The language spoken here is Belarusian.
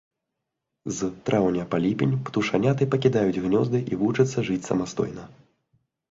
З траўня па ліпень птушаняты пакідаюць гнёзды і вучацца жыць самастойна.